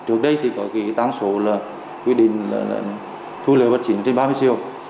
trước đây có tăng số quy định thu lời bật chỉnh trên ba mươi triệu